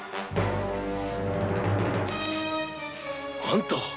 あんたは！？